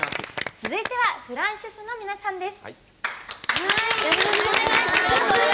続いてはフランシュシュの皆さんです。